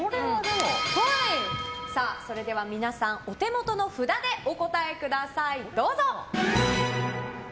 それでは皆さんお手元の札でお答えください。